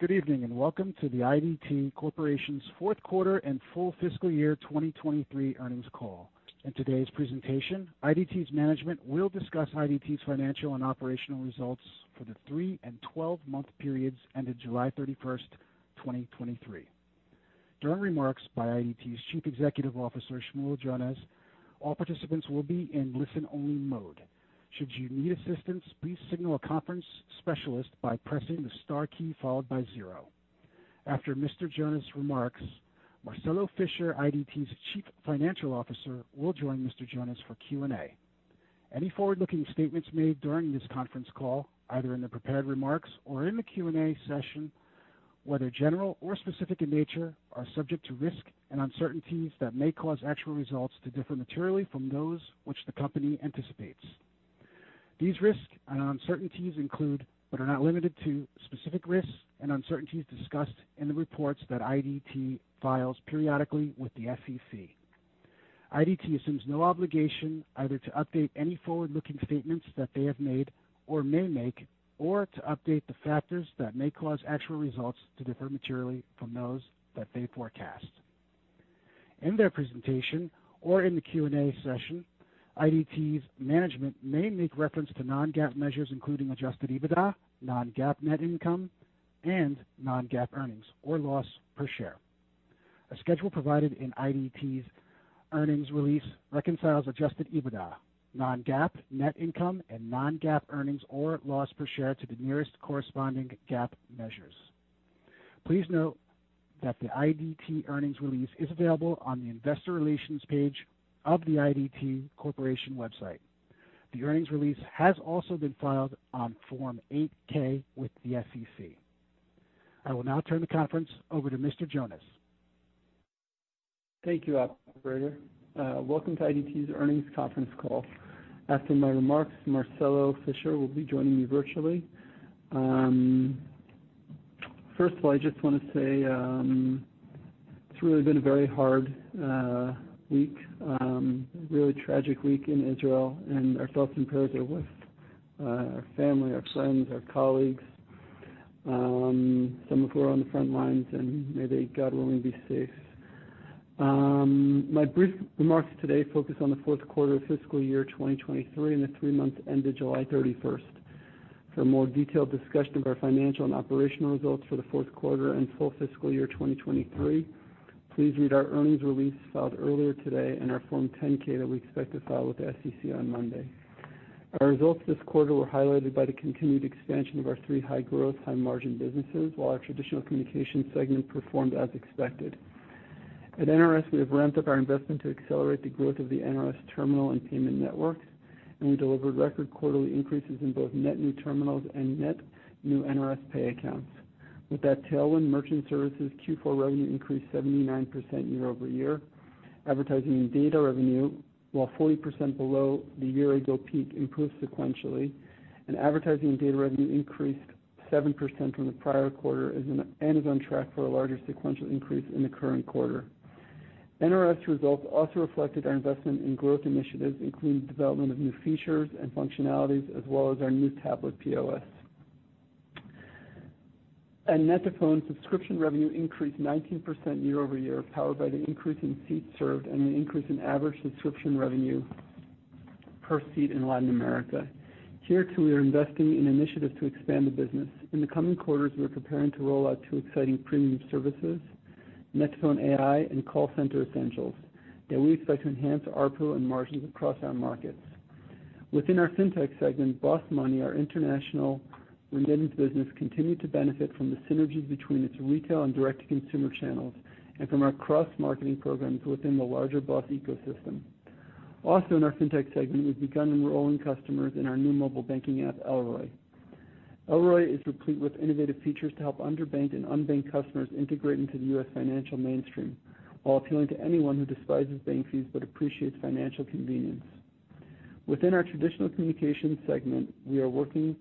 Good evening, and welcome to the IDT Corporation's fourth quarter and full fiscal year 2023 earnings call. In today's presentation, IDT's management will discuss IDT's financial and operational results for the three- and 12-month periods ended July 31, 2023. During remarks by IDT's Chief Executive Officer, Shmuel Jonas, all participants will be in listen-only mode. Should you need assistance, please signal a conference specialist by pressing the star key followed by zero. After Mr. Jonas' remarks, Marcelo Fischer, IDT's Chief Financial Officer, will join Mr. Jonas for Q&A. Any forward-looking statements made during this conference call, either in the prepared remarks or in the Q&A session, whether general or specific in nature, are subject to risks and uncertainties that may cause actual results to differ materially from those which the company anticipates. These risks and uncertainties include, but are not limited to, specific risks and uncertainties discussed in the reports that IDT files periodically with the SEC. IDT assumes no obligation either to update any forward-looking statements that they have made or may make, or to update the factors that may cause actual results to differ materially from those that they forecast. In their presentation or in the Q&A session, IDT's management may make reference to non-GAAP measures, including Adjusted EBITDA, non-GAAP net income, and non-GAAP earnings or loss per share. A schedule provided in IDT's earnings release reconciles Adjusted EBITDA, non-GAAP net income, and non-GAAP earnings or loss per share to the nearest corresponding GAAP measures. Please note that the IDT earnings release is available on the investor relations page of the IDT Corporation website. The earnings release has also been filed on Form 8-K with the SEC. I will now turn the conference over to Mr. Jonas. Thank you, operator. Welcome to IDT's earnings conference call. After my remarks, Marcelo Fischer will be joining me virtually. First of all, I just want to say, it's really been a very hard week, a really tragic week in Israel, and our thoughts and prayers are with our family, our friends, our colleagues, some of who are on the front lines, and may they, God willing, be safe. My brief remarks today focus on the fourth quarter of fiscal year 2023 and the three months ended July 31. For a more detailed discussion of our financial and operational results for the fourth quarter and full fiscal year 2023, please read our earnings release filed earlier today and our Form 10-K that we expect to file with the SEC on Monday. Our results this quarter were highlighted by the continued expansion of our three high-growth, high-margin businesses, while our traditional communication segment performed as expected. At NRS, we have ramped up our investment to accelerate the growth of the NRS terminal and payment networks, and we delivered record quarterly increases in both net new terminals and net new NRS Pay accounts. With that tailwind, merchant services Q4 revenue increased 79% year-over-year. Advertising and data revenue, while 40% below the year-ago peak, improved sequentially, and advertising and data revenue increased 7% from the prior quarter and is on track for a larger sequential increase in the current quarter. NRS results also reflected our investment in growth initiatives, including the development of new features and functionalities, as well as our new tablet POS. At net2phone, subscription revenue increased 19% year-over-year, powered by the increase in seats served and an increase in average subscription revenue per seat in Latin America. Here, too, we are investing in initiatives to expand the business. In the coming quarters, we are preparing to roll out two exciting premium services, net2phone AI and Call Center Essentials, that we expect to enhance ARPU and margins across our markets. Within our Fintech segment, BOSS Money, our international remittance business, continued to benefit from the synergies between its retail and direct-to-consumer channels and from our cross-marketing programs within the larger BOSS ecosystem. Also in our Fintech segment, we've begun enrolling customers in our new mobile banking app, Elroy. Elroy is replete with innovative features to help underbanked and unbanked customers integrate into the U.S. financial mainstream, while appealing to anyone who despises bank fees but appreciates financial convenience. Within our traditional communications segment, we are working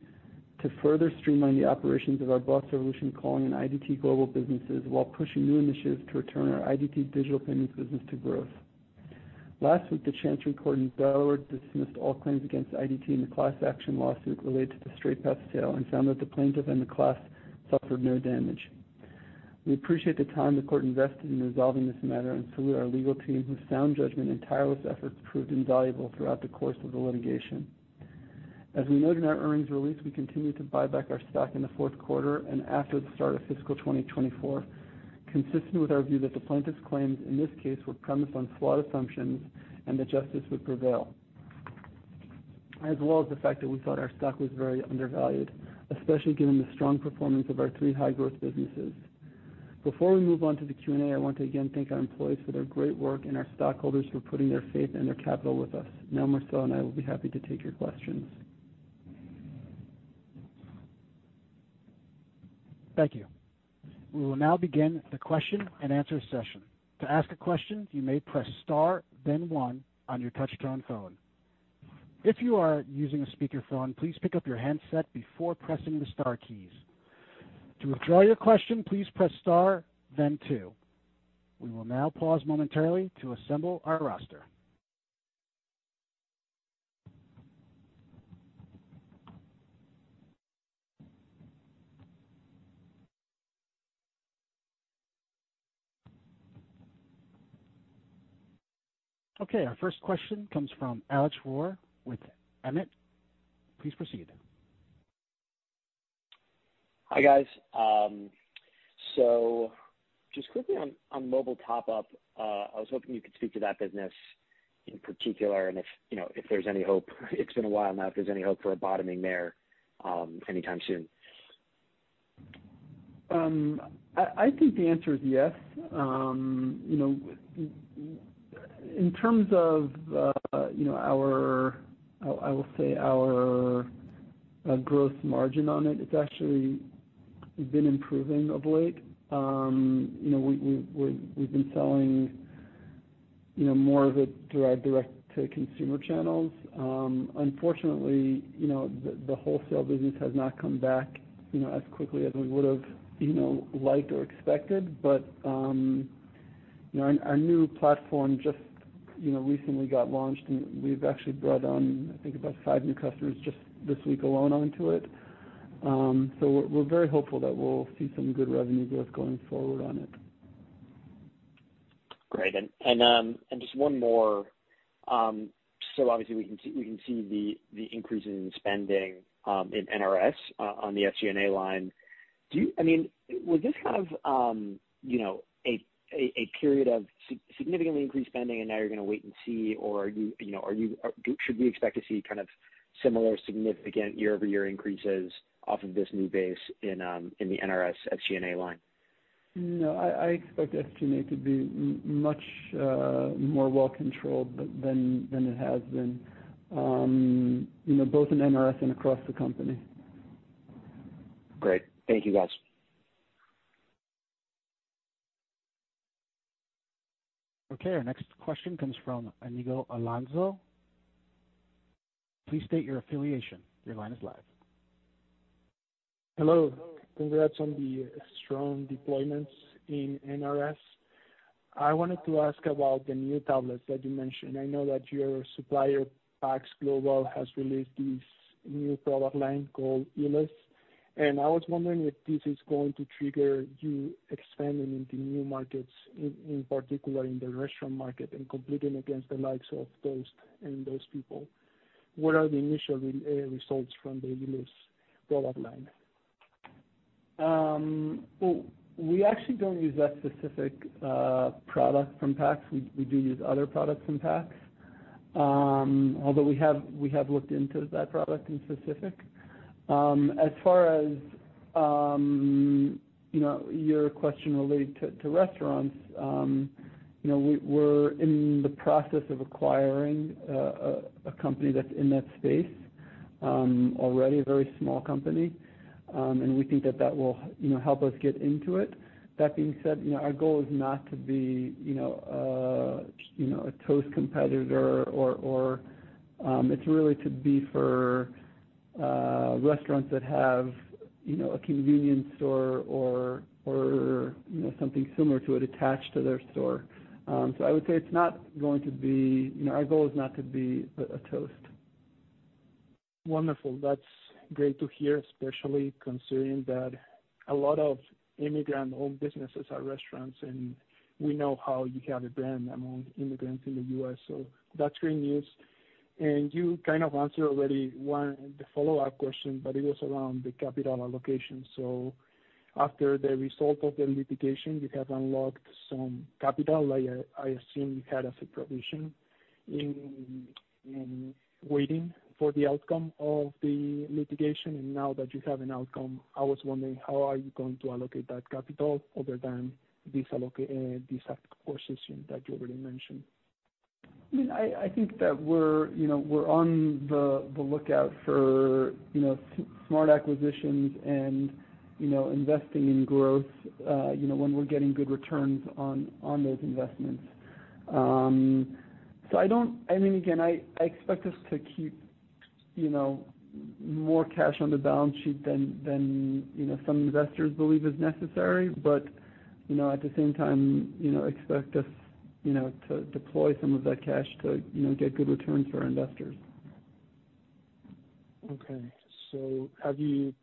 to further streamline the operations of our BOSS Revolution calling and IDT Global businesses while pushing new initiatives to return our IDT Digital Payments business to growth. Last week, the Chancery Court of Delaware dismissed all claims against IDT in the class action lawsuit related to the Straight Path sale and found that the plaintiff and the class suffered no damage. We appreciate the time the court invested in resolving this matter and salute our legal team, whose sound judgment and tireless efforts proved invaluable throughout the course of the litigation. As we noted in our earnings release, we continued to buy back our stock in the fourth quarter and after the start of fiscal 2024, consistent with our view that the plaintiffs' claims in this case were premised on flawed assumptions and that justice would prevail, as well as the fact that we thought our stock was very undervalued, especially given the strong performance of our three high-growth businesses. Before we move on to the Q&A, I want to again thank our employees for their great work and our stockholders for putting their faith and their capital with us. Now, Marcelo and I will be happy to take your questions. Thank you. We will now begin the question and answer session. To ask a question, you may press star, then one on your touchtone phone. If you are using a speakerphone, please pick up your handset before pressing the star keys. To withdraw your question, please press star, then two. We will now pause momentarily to assemble our roster. Okay, our first question comes from Alex Rohr with Emmett. Please proceed. Hi, guys. So just quickly on, on mobile top-up, I was hoping you could speak to that business in particular, and if, you know, if there's any hope, it's been a while now, if there's any hope for a bottoming there, anytime soon. I think the answer is yes. You know, in terms of, you know, our, I will say our growth margin on it, it's actually been improving of late. You know, we, we're, we've been selling, you know, more of it through our direct-to-consumer channels. Unfortunately, you know, the wholesale business has not come back, you know, as quickly as we would've, you know, liked or expected. But, you know, and our new platform just, you know, recently got launched, and we've actually brought on, I think, about five new customers just this week alone onto it. So we're very hopeful that we'll see some good revenue growth going forward on it. Great. And just one more. So obviously, we can see the increases in spending in NRS on the FCNA line. Do you, I mean, was this kind of, you know, a period of significantly increased spending, and now you're gonna wait and see? Or are you, you know, should we expect to see kind of similar significant year-over-year increases off of this new base in the NRS FCNA line? No, I expect FCNA to be much more well controlled than it has been, you know, both in NRS and across the company. Great. Thank you, guys. Okay, our next question comes from Inigo Alonso. Please state your affiliation. Your line is live. Hello. Congrats on the strong deployments in NRS. I wanted to ask about the new tablets that you mentioned. I know that your supplier, PAX Global, has released this new product line called Ulis, and I was wondering if this is going to trigger you expanding into new markets, in particular in the restaurant market, and competing against the likes of Toast and those people. What are the initial results from the Ulis product line? Well, we actually don't use that specific product from PAX. We do use other products from PAX, although we have looked into that product in specific. As far as you know, your question related to restaurants, you know, we're in the process of acquiring a company that's in that space, already, a very small company. And we think that will, you know, help us get into it. That being said, you know, our goal is not to be, you know, you know, a Toast competitor, or it's really to be for restaurants that have, you know, a convenience store or you know, something similar to it attached to their store. So I would say it's not going to be... You know, our goal is not to be a, a Toast. Wonderful. That's great to hear, especially considering that a lot of immigrant-owned businesses are restaurants, and we know how you have a brand among immigrants in the US, so that's great news. You kind of answered already one, the follow-up question, but it was around the capital allocation. After the result of the litigation, you have unlocked some capital. I, I assume you had a set provision in waiting for the outcome of the litigation. Now that you have an outcome, I was wondering, how are you going to allocate that capital other than these acquisition that you already mentioned? I mean, I think that we're, you know, we're on the lookout for, you know, smart acquisitions and, you know, investing in growth, you know, when we're getting good returns on those investments. So I mean, again, I expect us to keep, you know, more cash on the balance sheet than, you know, some investors believe is necessary. But, you know, at the same time, you know, expect us, you know, to deploy some of that cash to, you know, get good returns for our investors. Okay, so have you.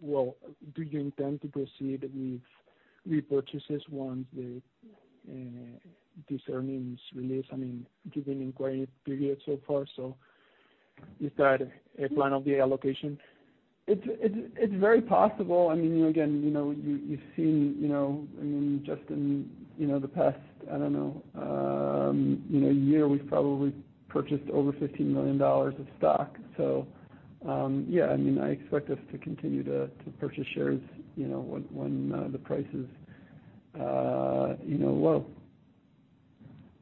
Well, do you intend to proceed with repurchases once the, these earnings release? I mean, you've been in quiet period so far, so is that a plan of the allocation? It's very possible. I mean, you again, you know, you've seen, you know, I mean, just in, you know, the past, I don't know, year, we've probably purchased over $15 million of stock. So, yeah, I mean, I expect us to continue to purchase shares, you know, when the price is, you know, low.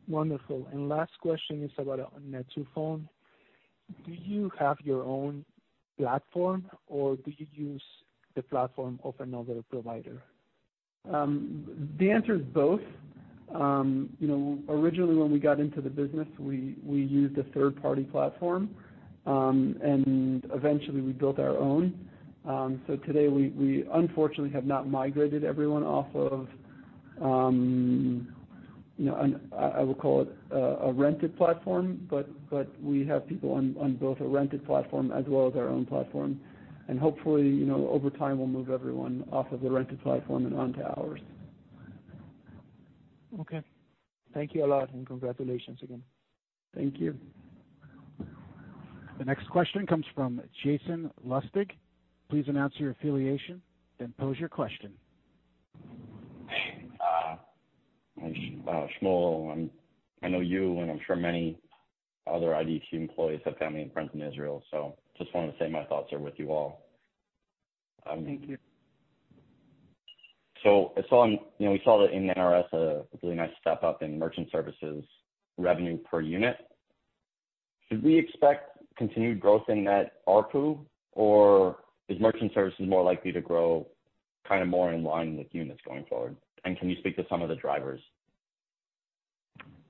Wonderful. Last question is about on net2phone. Do you have your own platform, or do you use the platform of another provider? The answer is both. You know, originally, when we got into the business, we used a third-party platform, and eventually we built our own. So today, we unfortunately have not migrated everyone off of, you know, and I would call it a rented platform, but we have people on both a rented platform as well as our own platform. And hopefully, you know, over time, we'll move everyone off of the rented platform and onto ours. Okay. Thank you a lot, and congratulations again. Thank you. The next question comes from Jason Lustig. Please announce your affiliation, then pose your question. Hey, Shmuel, I know you and I'm sure many other IDT employees have family and friends in Israel, so just wanted to say my thoughts are with you all. Thank you. So I saw on. You know, we saw that in the NRS, a really nice step up in merchant services revenue per unit. Should we expect continued growth in net ARPU, or is merchant services more likely to grow kind of more in line with units going forward? And can you speak to some of the drivers?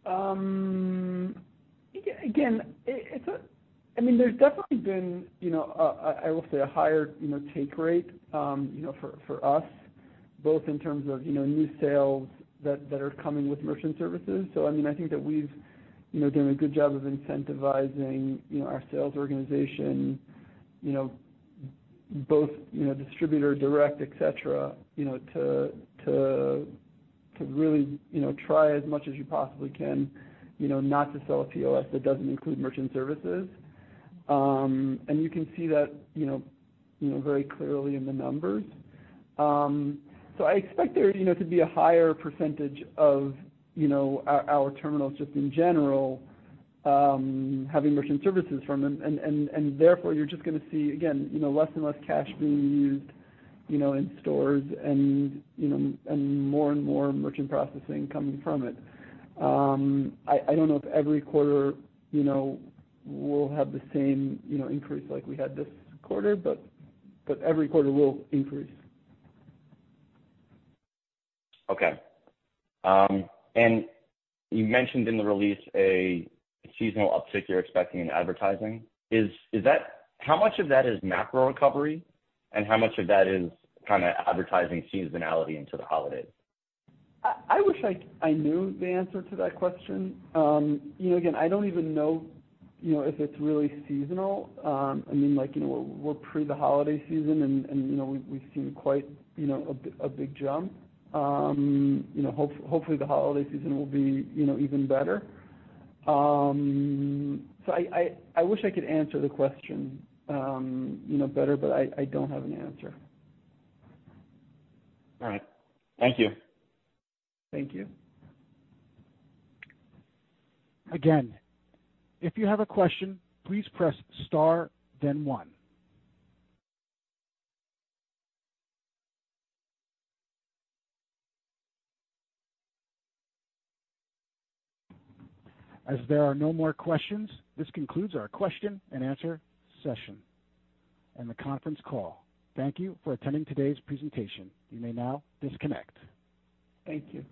Again, it's a I mean, there's definitely been, you know, I will say a higher, you know, take rate, you know, for, for us, both in terms of, you know, new sales that, that are coming with merchant services. So I mean, I think that we've, you know, done a good job of incentivizing, you know, our sales organization, you know, both, you know, distributor, direct, et cetera, you know, to, to, to really, you know, try as much as you possibly can, you know, not to sell a POS that doesn't include merchant services. And you can see that, you know, very clearly in the numbers. So I expect there, you know, to be a higher percentage of, you know, our, our terminals just in general, having merchant services from them. Therefore, you're just gonna see, again, you know, less and less cash being used, you know, in stores and, you know, and more and more merchant processing coming from it. I don't know if every quarter, you know, will have the same, you know, increase like we had this quarter, but every quarter will increase. Okay. And you mentioned in the release a seasonal uptick you're expecting in advertising. Is that how much of that is macro recovery, and how much of that is kinda advertising seasonality into the holidays? I wish I knew the answer to that question. You know, again, I don't even know, you know, if it's really seasonal. I mean, like, you know, we're pre the holiday season, and, you know, we've seen quite, you know, a big jump. You know, hopefully, the holiday season will be, you know, even better. So, I wish I could answer the question, you know, better, but I don't have an answer. All right. Thank you. Thank you. Again, if you have a question, please press star, then one. As there are no more questions, this concludes our question-and-answer session and the conference call. Thank you for attending today's presentation. You may now disconnect. Thank you.